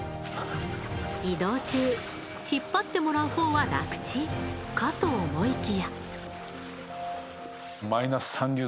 移動中引っ張ってもらう方は楽ちんかと思いきや。